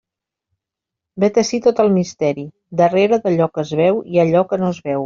Vet ací tot el misteri: darrere d'allò que es veu hi ha allò que no es veu.